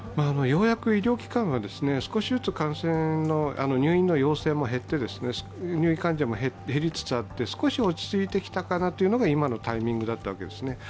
ようやく医療機関が少しずつ入院の要請も減って入院患者も減りつつあって少し落ち着いてきたかなというのが今のタイミングだったわけですね。